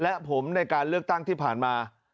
และผมในการเลือกตั้งที่ผ่านมา